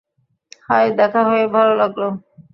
High, দেখা হয়ে ভালো লাগলো।